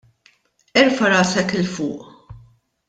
Erfa' rasek 'il fuq.